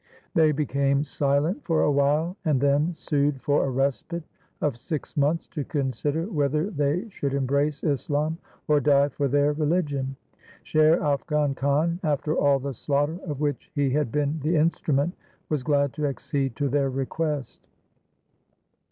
They became silent for a while, and then sued for a respite of six months to consider whether they should embrace Islam or die for their religion. Sher Afghan Khan after all the slaughter of which he had been the instrument, was glad to accede to their request.